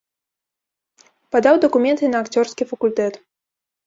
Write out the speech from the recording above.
Падаў дакументы на акцёрскі факультэт.